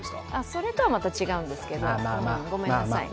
それとはまた違うんですけれども、ごめんなさいね。